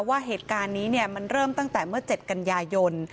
ว่าเหตุการณ์นี้มันเริ่มตั้งแต่เมื่อ๗กันยายน